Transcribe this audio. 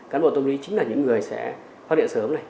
cán bộ tâm lý chính là những người sẽ phát hiện sớm này